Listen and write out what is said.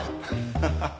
ハハハ。